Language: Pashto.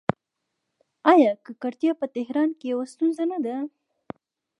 آیا ککړتیا په تهران کې یوه ستونزه نه ده؟